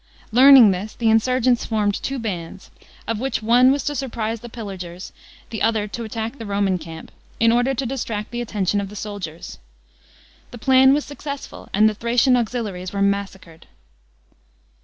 Learning this, the insurgents formed two bands, of which one was to surprise the pillagers, the other to attack the Roman camp, in order to distract the attention of the soldiers. The plan was successful, and the Thracian auxiliaries were massacred.